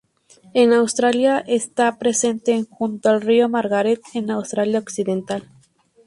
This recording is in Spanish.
En Australia está presente en junto al río Margaret, en Australia Occidental.